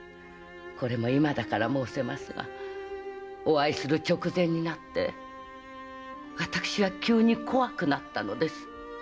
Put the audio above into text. これも今だから申せますがお会いする直前になって私は急に怖くなったのです。